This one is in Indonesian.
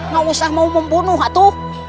gak usah mau membunuh hati